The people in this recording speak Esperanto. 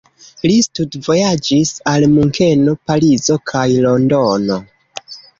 Li studvojaĝis al Munkeno, Parizo kaj Londono.